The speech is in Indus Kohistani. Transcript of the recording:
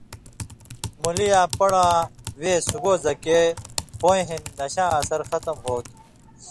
مولی یاں پن٘ڑاں وے سُگو زکے پویں ہِن نَشاں اثر ختم ہو تُھو۔